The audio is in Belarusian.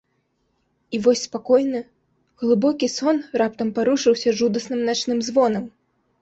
І вось спакойны, глыбокі сон раптам парушыўся жудасным начным звонам.